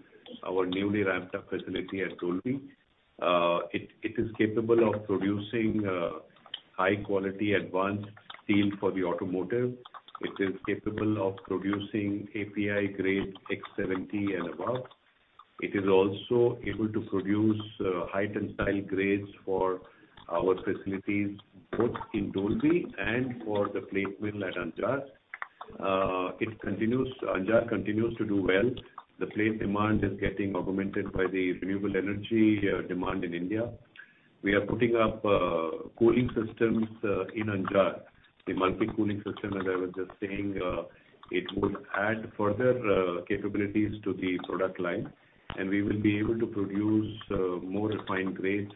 [SPEAKER 3] our newly ramped up facility at Dolvi. It is capable of producing high quality advanced steel for the automotive. It is capable of producing API grade X70 and above. It is also able to produce high tensile grades for our facilities both in Dolvi and for the plate mill at Anjar. Anjar continues to do well. The plate demand is getting augmented by the renewable energy demand in India. We are putting up cooling systems in Anjar. The multi-cooling system, as I was just saying, it would add further capabilities to the product line, and we will be able to produce more refined grades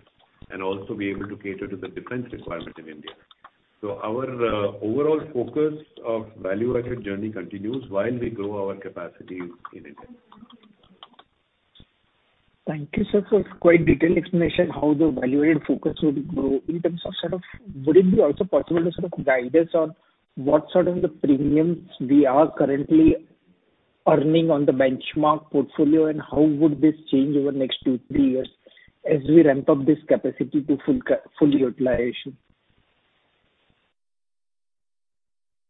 [SPEAKER 3] and also be able to cater to the defense requirement in India. Our overall focus of value-added journey continues while we grow our capacity in India.
[SPEAKER 11] Thank you, sir, for quite detailed explanation how the value-added focus will grow. In terms of sort of would it be also possible to sort of guide us on what sort of the premiums we are currently earning on the benchmark portfolio and how would this change over next two, three years as we ramp up this capacity to full utilization?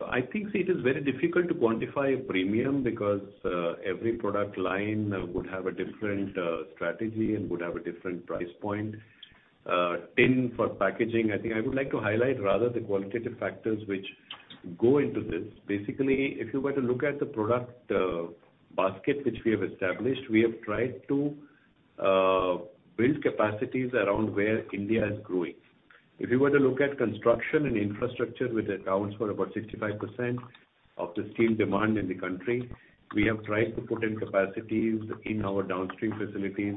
[SPEAKER 3] I think it is very difficult to quantify a premium because every product line would have a different strategy and would have a different price point. Tin for packaging, I think I would like to highlight rather the qualitative factors which go into this. Basically, if you were to look at the product basket which we have established, we have tried to build capacities around where India is growing. If you were to look at construction and infrastructure, which accounts for about 65% of the steel demand in the country, we have tried to put in capacities in our downstream facilities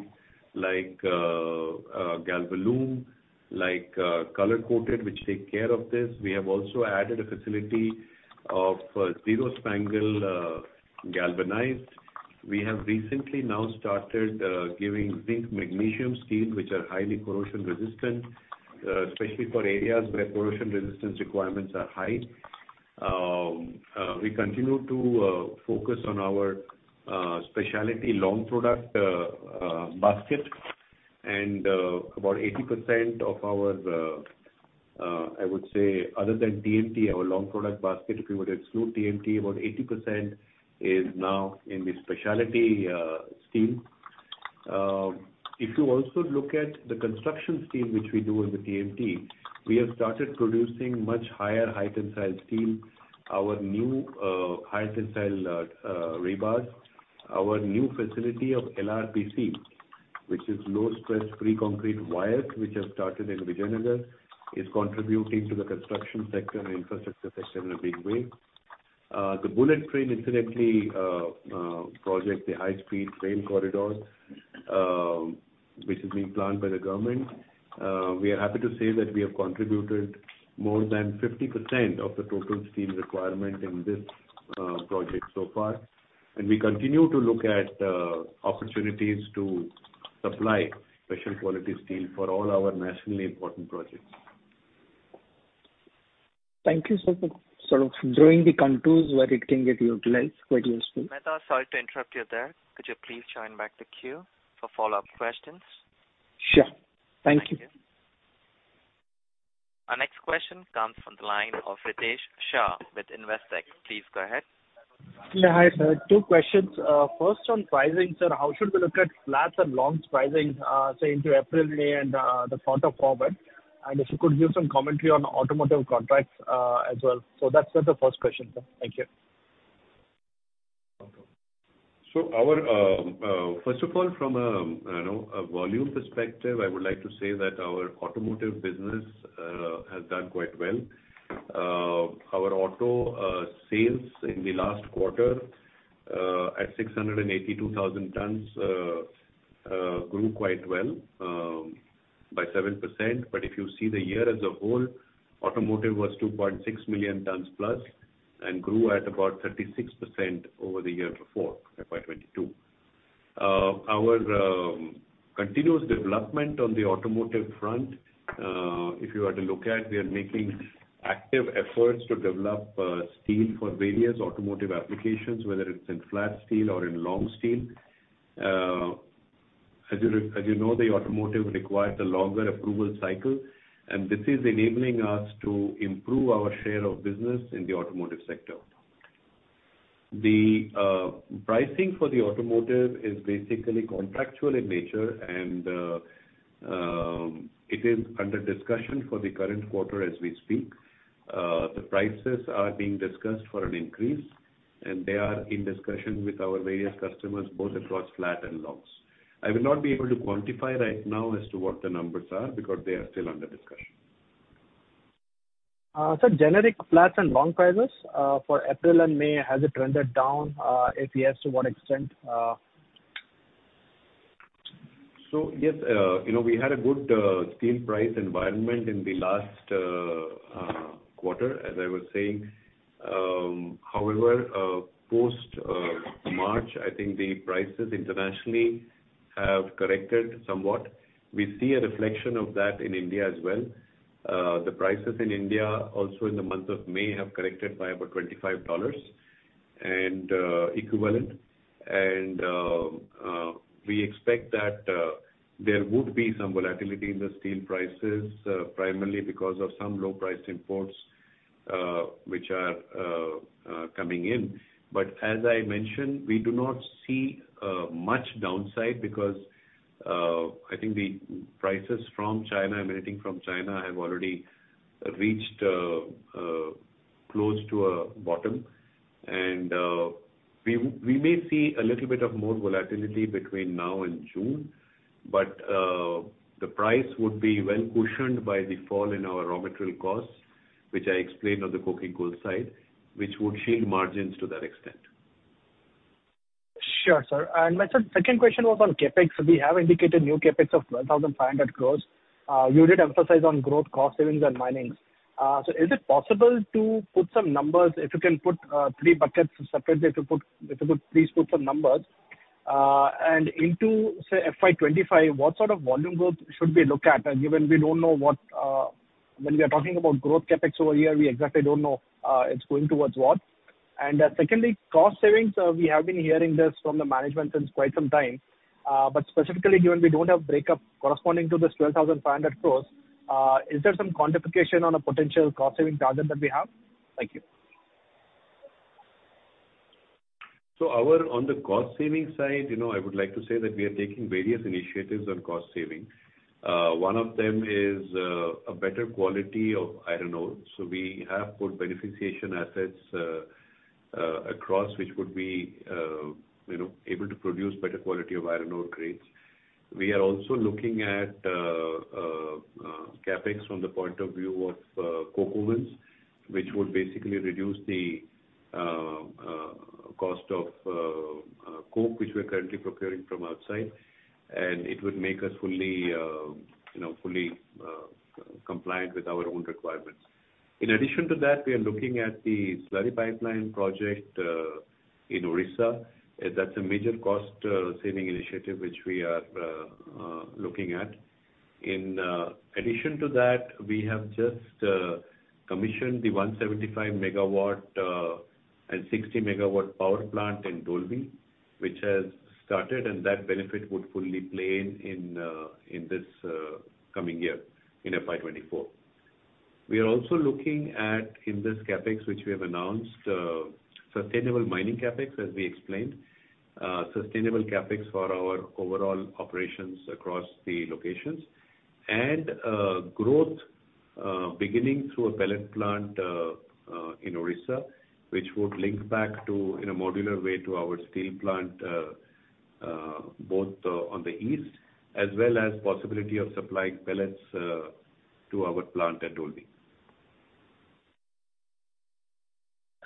[SPEAKER 3] like Galvalume, like color-coated, which take care of this. We have also added a facility of zero spangle, galvanized. now started giving zinc-aluminum-magnesium steel, which are highly corrosion resistant, especially for areas where corrosion resistance requirements are high. We continue to focus on our specialty long product basket and about 80% of our, I would say other than TMT, our long product basket, if you were to exclude TMT, about 80% is now in the specialty steel. If you also look at the construction steel which we do in the TMT, we have started producing much higher high tensile steel. Our new high tensile rebars. Our new facility of LRPC, which is low stress pre-concrete wires, which have started in Vijayanagar, is contributing to the construction sector and infrastructure sector in a big way. The bullet train incidentally, project, the high-speed train corridor, which is being planned by the Government, we are happy to say that we have contributed more than 50% of the total steel requirement in this project so far. We continue to look at opportunities to supply special quality steel for all our nationally important projects.
[SPEAKER 11] Thank you, sir, for sort of drawing the contours where it can get utilized. Quite useful.
[SPEAKER 1] Mehta, sorry to interrupt you there. Could you please join back the queue for follow-up questions?
[SPEAKER 11] Sure. Thank you.
[SPEAKER 1] Thank you. Our next question comes from the line of Ritesh Shah with Investec. Please go ahead.
[SPEAKER 12] Yeah. Hi, sir. two questions. First on pricing. Sir, how should we look at flats and longs pricing, say into April, May and the quarter forward? If you could give some commentary on automotive contracts, as well. That's just the first question, sir. Thank you.
[SPEAKER 3] First of all, from a, you know, a volume perspective, I would like to say that our automotive business has done quite well. Our auto sales in the last quarter, at 682,000 tons, grew quite well by 7%. If you see the year as a whole, automotive was 2.6 million tons plus and grew at about 36% over the year before, FY 2022. Our continuous development on the automotive front, if you were to look at, we are making active efforts to develop steel for various automotive applications, whether it's in flat steel or in long steel. As you know, the automotive requires a longer approval cycle. This is enabling us to improve our share of business in the automotive sector. The pricing for the automotive is basically contractual in nature and it is under discussion for the current quarter as we speak. The prices are being discussed for an increase, and they are in discussion with our various customers both across flat and longs. I will not be able to quantify right now as to what the numbers are because they are still under discussion.
[SPEAKER 12] Sir, generic flats and long prices, for April and May, has it trended down? If yes, to what extent?
[SPEAKER 3] yes, you know, we had a good steel price environment in the last quarter as I was saying. However, post March, I think the prices internationally have corrected somewhat. We see a reflection of that in India as well. The prices in India also in the month of May have corrected by about $25 and equivalent. we expect that there would be some volatility in the steel prices, primarily because of some low priced imports, which are coming in. As I mentioned, we do not see much downside because I think the prices from China and everything from China have already reached close to a bottom. We may see a little bit of more volatility between now and June, but the price would be well cushioned by the fall in our raw material costs, which I explained on the coking coal side, which would shield margins to that extent.
[SPEAKER 12] Sure, sir. My second question was on CapEx. We have indicated new CapEx of 12,500 crore. You did emphasize on growth, cost savings and mining. Is it possible to put some numbers, if you can put, three buckets separately if you could please put some numbers. Into, say FY 2025, what sort of volume growth should we look at, given we don't know what, when we are talking about growth CapEx over here, we exactly don't know, it's going towards what? Secondly, cost savings. We have been hearing this from the management since quite some time. Specifically given we don't have breakup corresponding to this 12,500 crore, is there some quantification on a potential cost saving target that we have? Thank you.
[SPEAKER 3] On the cost savings side, you know, I would like to say that we are taking various initiatives on cost savings. One of them is a better quality of iron ore. We have put beneficiation assets across which would be, you know, able to produce better quality of iron ore grades. We are also looking at CapEx from the point of view of coke ovens, which would basically reduce the cost of coke, which we're currently procuring from outside, and it would make us fully, you know, fully compliant with our own requirements. In addition to that, we are looking at the slurry pipeline project in Odisha. That's a major cost saving initiative which we are looking at. In addition to that, we have just commissioned the 175 megawatt and 60 MW power plant in Dolvi, which has started, and that benefit would fully play in this coming year in FY 2024. We are also looking at in this CapEx, which we have announced, sustainable mining CapEx, as we explained. Sustainable CapEx for our overall operations across the locations. Growth
[SPEAKER 13] Beginning through a pellet plant in Orissa, which would link back to, in a modular way, to our steel plant, both on the east as well as possibility of supplying pellets to our plant at Dolvi.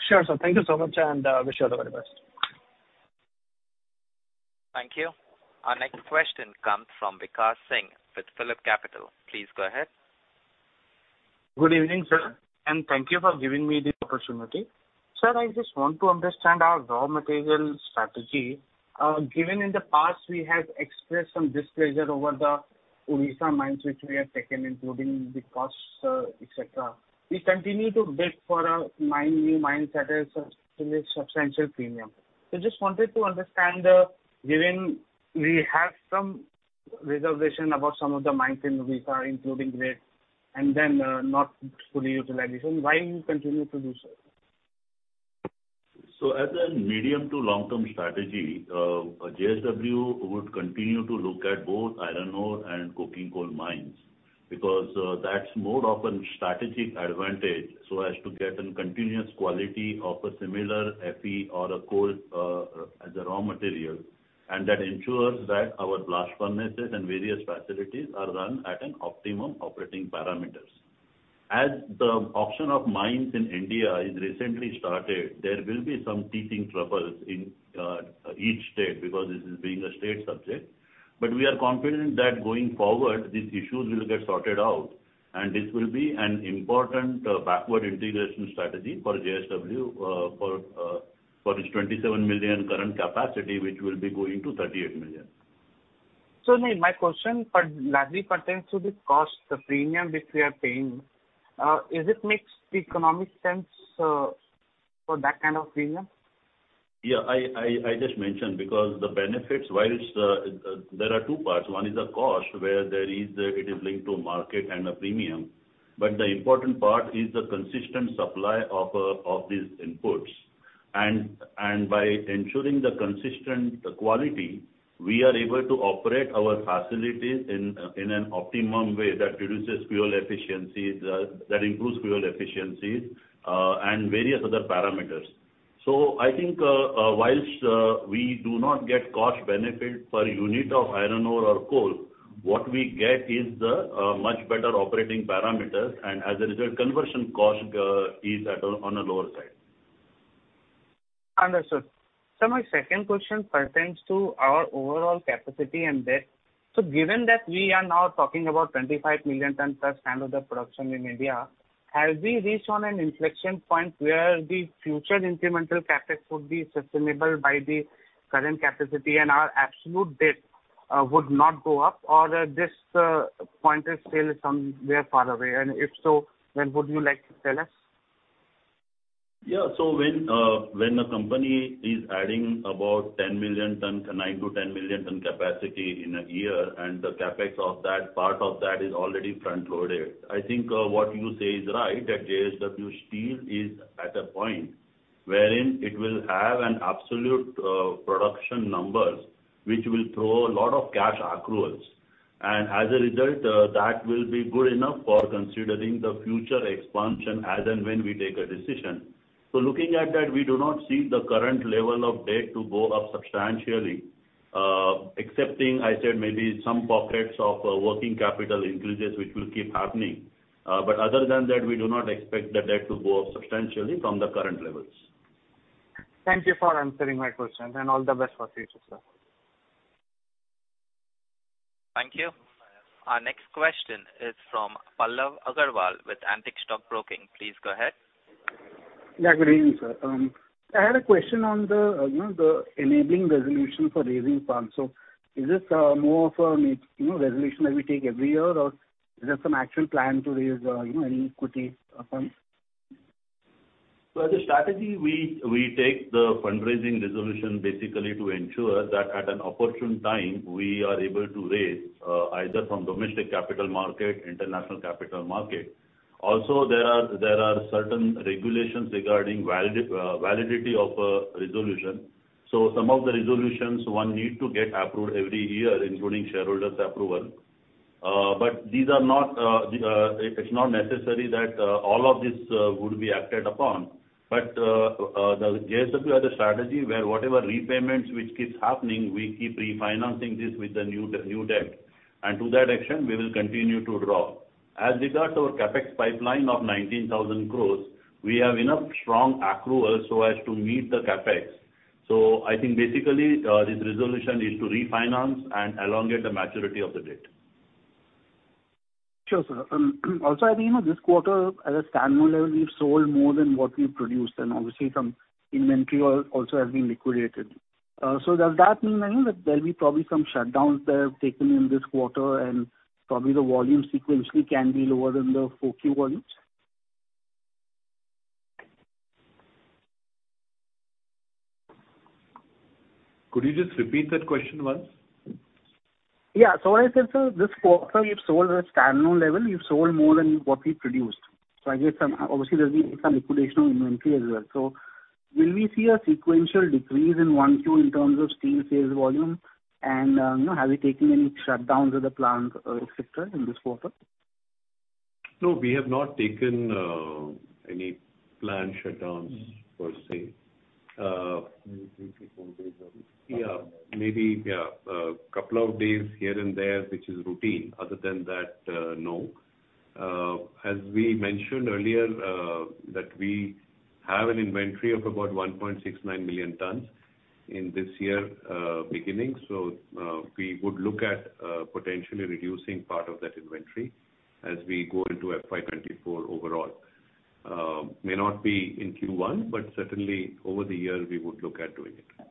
[SPEAKER 12] Sure, sir. Thank you so much. Wish you all the very best.
[SPEAKER 1] Thank you. Our next question comes from Vikash Singh with PhillipCapital. Please go ahead.
[SPEAKER 14] Good evening, sir, thank you for giving me this opportunity. Sir, I just want to understand our raw material strategy. Given in the past we have expressed some displeasure over the Odisha mines which we have taken, including the costs, etc. We continue to bid for a mine, new mine that is a substantial premium. Just wanted to understand, given we have some reservation about some of the mines in Odisha including this, not fully utilization, why you continue to do so?
[SPEAKER 13] As a medium to long-term strategy, JSW would continue to look at both iron ore and coking coal mines because that's more of an strategic advantage, so as to get a continuous quality of a similar FE or a coal as a raw material. That ensures that our blast furnaces and various facilities are run at an optimum operating parameters. As the option of mines in India is recently started, there will be some teething troubles in each state because this is being a state subject. We are confident that going forward these issues will get sorted out, and this will be an important backward integration strategy for JSW for its 27 million current capacity, which will be going to 38 million.
[SPEAKER 14] My question largely pertains to the cost, the premium which we are paying. Is it makes economic sense for that kind of premium?
[SPEAKER 13] I just mentioned because the benefits, whilst there are two parts. One is a cost where there is it is linked to market and a premium. The important part is the consistent supply of these inputs. By ensuring the consistent quality, we are able to operate our facilities in an optimum way that reduces fuel efficiency, that improves fuel efficiencies, and various other parameters. I think, whilst we do not get cost benefit per unit of iron ore or coal, what we get is the much better operating parameters and as a result conversion cost is on a lower side.
[SPEAKER 14] Understood. My second question pertains to our overall capacity and debt. Given that we are now talking about 25 million tons plus handle the production in India, have we reached on an inflection point where the future incremental CapEx would be sustainable by the current capacity and our absolute debt would not go up or this point is still somewhere far away? If so, when would you like to tell us?
[SPEAKER 13] When a company is adding about 10 million ton, 9-10 million ton capacity in a year, and the CapEx of that, part of that is already front loaded. I think what you say is right, that JSW Steel is at a point wherein it will have an absolute production numbers, which will throw a lot of cash accruals. As a result, that will be good enough for considering the future expansion as and when we take a decision. Looking at that, we do not see the current level of debt to go up substantially, excepting, I said maybe some pockets of working capital increases, which will keep happening. Other than that, we do not expect the debt to go up substantially from the current levels.
[SPEAKER 14] Thank you for answering my question, and all the best for future, sir.
[SPEAKER 1] Thank you. Our next question is from Pallav Agarwal with Antique Stock Broking. Please go ahead.
[SPEAKER 15] Yeah. Good evening, sir. I had a question on the, you know, the enabling resolution for raising funds. Is this more of a, you know, resolution that we take every year or is there some actual plan to raise, you know, an equity fund?
[SPEAKER 13] As a strategy, we take the fundraising resolution basically to ensure that at an opportune time, we are able to raise, either from domestic capital market, international capital market. There are certain regulations regarding validity of a resolution. Some of the resolutions one need to get approved every year, including shareholders approval. But these are not, it's not necessary that all of this would be acted upon. The JSW has a strategy where whatever repayments which keeps happening, we keep refinancing this with the new debt. To that extent, we will continue to draw. As regards our CapEx pipeline of 19,000 crore, we have enough strong accrual so as to meet the CapEx. I think basically, this resolution is to refinance and elongate the maturity of the debt.
[SPEAKER 15] Sure, sir. Also, I mean, this quarter as a standalone level, we've sold more than what we've produced, obviously some inventory also has been liquidated. Does that mean that there'll be probably some shutdowns that have taken in this quarter and probably the volume sequentially can be lower than the 4Q volumes?
[SPEAKER 13] Could you just repeat that question once?
[SPEAKER 15] Yeah. What I said, sir, this quarter you've sold at a standalone level, you've sold more than what we've produced.
[SPEAKER 16] I guess obviously there's been some liquidation of inventory as well. Will we see a sequential decrease in one, two in terms of steel sales volume and, you know, have you taken any shutdowns of the plant, et cetera in this quarter?
[SPEAKER 3] No, we have not taken, any plant shutdowns.
[SPEAKER 16] Mm-hmm.
[SPEAKER 3] per se.
[SPEAKER 16] Maybe three to four days of
[SPEAKER 3] Yeah. Maybe, yeah, a couple of days here and there, which is routine. Other than that, no. As we mentioned earlier, that we have an inventory of about 1.69 million tons in this year beginning. We would look at potentially reducing part of that inventory as we go into FY 2024 overall. May not be in Q1, but certainly over the year we would look at doing it.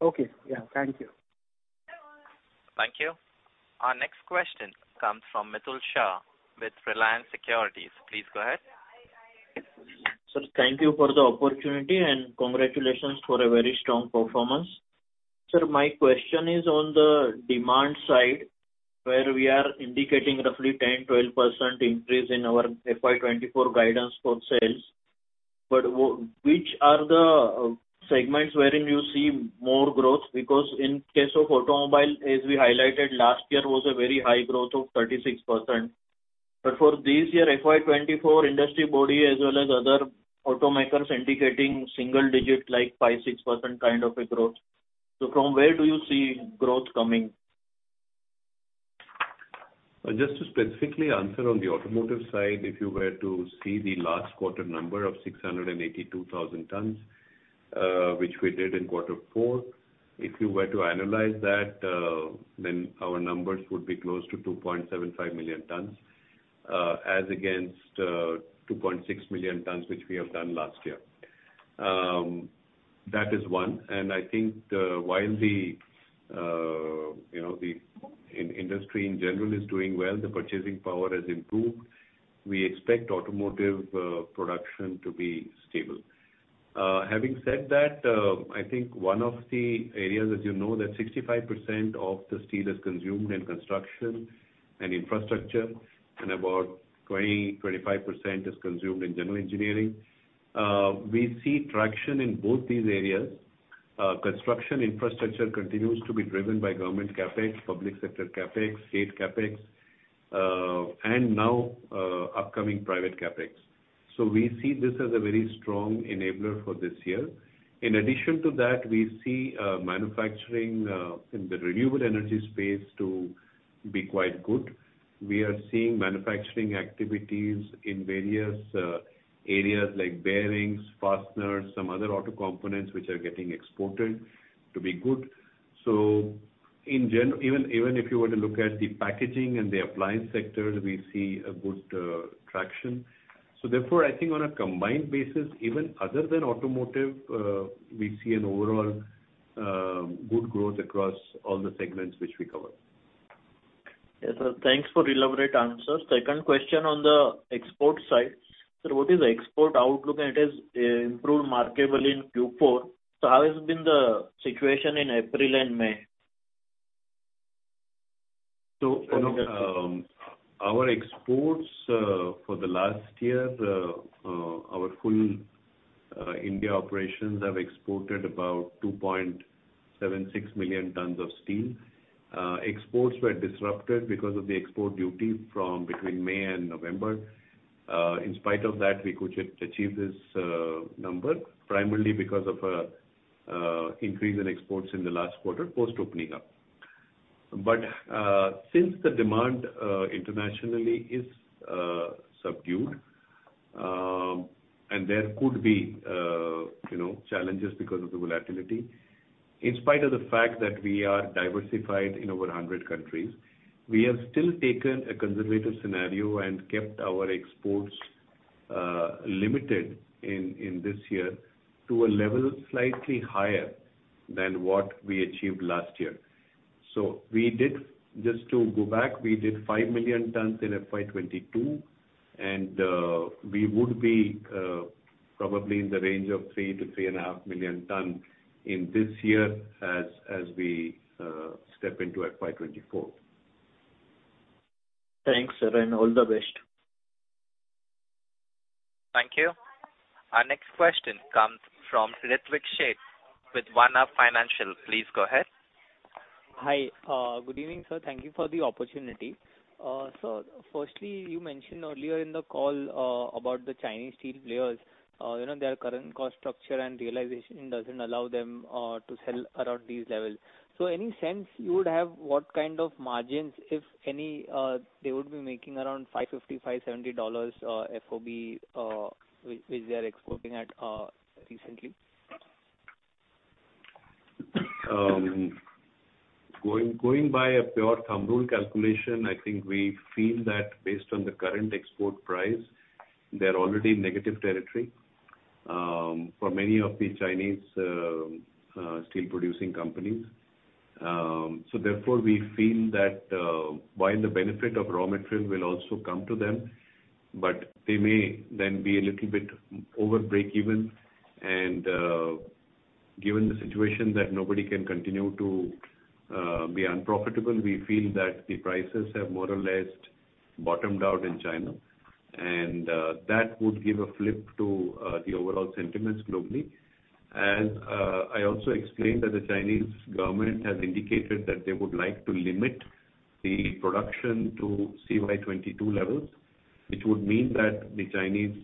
[SPEAKER 16] Okay. Yeah. Thank you.
[SPEAKER 1] Thank you. Our next question comes from Mitul Shah with Reliance Securities. Please go ahead.
[SPEAKER 17] Sir, thank you for the opportunity and congratulations for a very strong performance. Sir, my question is on the demand side where we are indicating roughly 10%-12% increase in our FY 2024 guidance for sales. Which are the segments wherein you see more growth? Because in case of automobile, as we highlighted last year, was a very high growth of 36%. For this year, FY 2024 industry body as well as other automakers indicating single digit like 5%-6% kind of a growth. From where do you see growth coming?
[SPEAKER 3] Just to specifically answer on the automotive side, if you were to see the last quarter number of 682,000 tons, which we did in quarter four. If you were to analyze that, our numbers would be close to 2.75 million tons, as against 2.6 million tons which we have done last year. That is one. I think, while the, you know, the, in industry in general is doing well, the purchasing power has improved. We expect automotive production to be stable. Having said that, I think one of the areas, as you know, that 65% of the steel is consumed in construction and infrastructure and about 20%-25% is consumed in general engineering. We see traction in both these areas. Construction infrastructure continues to be driven by government CapEx, public sector CapEx, state CapEx, and now upcoming private CapEx. We see this as a very strong enabler for this year. In addition to that, we see manufacturing in the renewable energy space to be quite good. We are seeing manufacturing activities in various areas like bearings, fasteners, some other auto components which are getting exported to be good. Even if you were to look at the packaging and the appliance sectors, we see a good traction. Therefore I think on a combined basis, even other than automotive, we see an overall good growth across all the segments which we cover.
[SPEAKER 17] Yes, sir. Thanks for elaborate answer. Second question on the export side. Sir, what is the export outlook? It has improved markedly in Q4. How has been the situation in April and May?
[SPEAKER 3] Our exports for the last year, our full India operations have exported about 2.76 million tons of steel. Exports were disrupted because of the export duty from between May and November. In spite of that, we could achieve this number primarily because of a increase in exports in the last quarter post opening up. Since the demand internationally is subdued, and there could be, you know, challenges because of the volatility. In spite of the fact that we are diversified in over 100 countries, we have still taken a conservative scenario and kept our exports limited in this year to a level slightly higher than what we achieved last year. just to go back, we did 5 million tons in FY 2022 and we would be probably in the range of 3 to 3.5 million ton in this year as we step into FY 2024.
[SPEAKER 17] Thanks, sir, and all the best.
[SPEAKER 1] Thank you. Our next question comes from Ritwik Sheth with OneUp Financial. Please go ahead.
[SPEAKER 16] Hi. Good evening, sir. Thank you for the opportunity. Firstly, you mentioned earlier in the call about the Chinese steel players. You know, their current cost structure and realization doesn't allow them to sell around these levels. Any sense you would have what kind of margins, if any, they would be making around $550-$570 FOB, which they are exporting at recently?
[SPEAKER 3] Going by a pure thumb rule calculation, I think we feel that based on the current export price, they're already in negative territory for many of the Chinese steel producing companies. Therefore, we feel that while the benefit of raw material will also come to them, but they may then be a little bit over breakeven, and given the situation that nobody can continue to be unprofitable, we feel that the prices have more or less bottomed out in China, that would give a flip to the overall sentiments globally. I also explained that the Chinese government has indicated that they would like to limit the production to CY 2022 levels, which would mean that the Chinese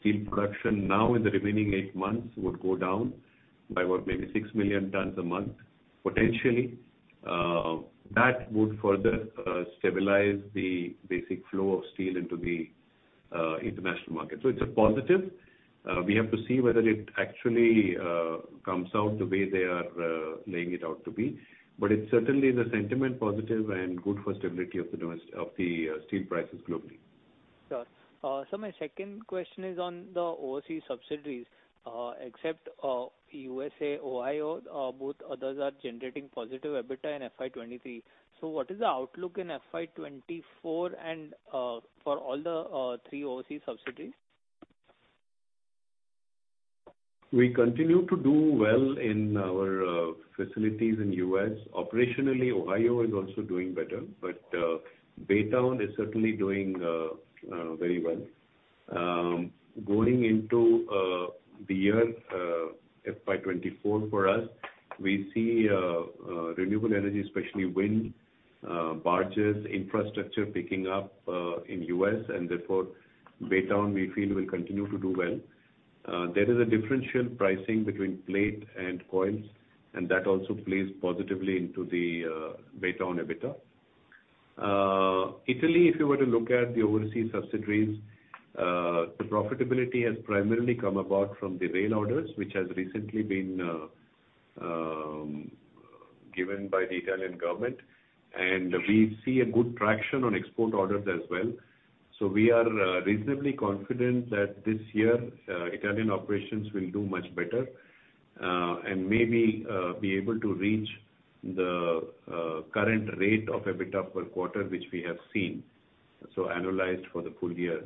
[SPEAKER 3] steel production now in the remaining 8 months would go down by about maybe 6 million tons a month. Potentially, that would further stabilize the basic flow of steel into the international market. It's a positive. We have to see whether it actually comes out the way they are laying it out to be. It's certainly the sentiment positive and good for stability of the steel prices globally.
[SPEAKER 16] Sure. My second question is on the OC subsidiaries. Except USA, Ohio, both others are generating positive EBITDA in FY 2023. What is the outlook in FY 2024 and for all the three OC subsidiaries?
[SPEAKER 3] We continue to do well in our facilities in US. Operationally, Ohio is also doing better, but Baytown is certainly doing very well. Going into the year FY 2024 for us, we see renewable energy, especially wind, barges, infrastructure picking up in US and therefore Baytown we feel will continue to do well. There is a differential pricing between plate and coils, and that also plays positively into the Baytown EBITDA. Italy, if you were to look at the overseas subsidiaries, the profitability has primarily come about from the rail orders, which has recently been given by the Italian government. We see a good traction on export orders as well. We are reasonably confident that this year, Italian operations will do much better and maybe be able to reach the current rate of EBITDA per quarter, which we have seen. Annualized for the full year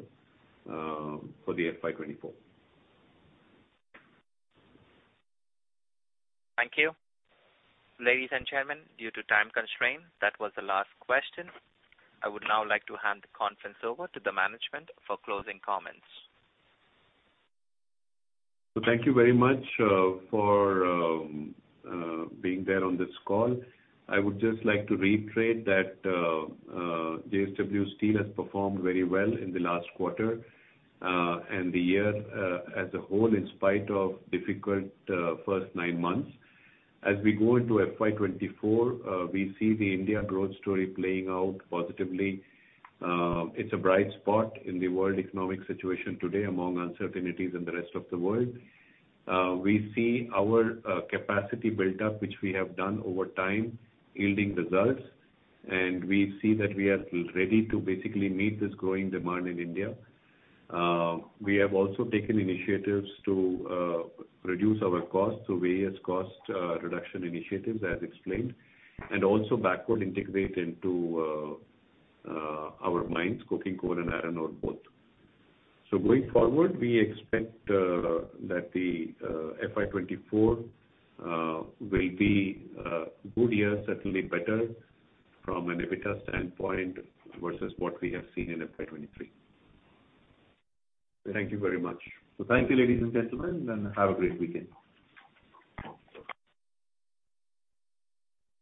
[SPEAKER 3] for the FY 2024.
[SPEAKER 1] Thank you. Ladies and gentlemen, due to time constraint, that was the last question. I would now like to hand the conference over to the management for closing comments.
[SPEAKER 3] Thank you very much for being there on this call. I would just like to reiterate that JSW Steel has performed very well in the last quarter and the year as a whole in spite of difficult first nine months. As we go into FY 2024, we see the India growth story playing out positively. It's a bright spot in the world economic situation today among uncertainties in the rest of the world. We see our capacity built up, which we have done over time, yielding results. We see that we are ready to basically meet this growing demand in India. We have also taken initiatives to reduce our costs through various cost reduction initiatives as explained, and also backward integrate into our mines, coking coal and iron ore both. Going forward, we expect that the FY 2024 will be a good year, certainly better from an EBITDA standpoint versus what we have seen in FY 2023. Thank you very much. Thank you, ladies and gentlemen, and have a great weekend.